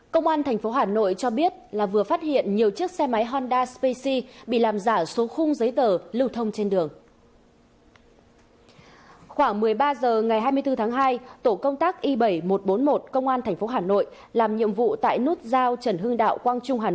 các bạn hãy đăng ký kênh để ủng hộ kênh của chúng mình nhé